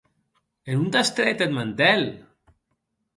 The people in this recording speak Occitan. E non t’as trèt eth mantèl.